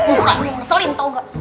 aku gak mau ngeselin tau gak